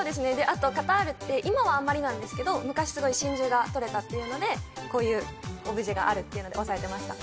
あとカタールって今はあんまりなんですけど昔すごい真珠がとれたっていうのでこういうオブジェがあるっていうのでおさえてました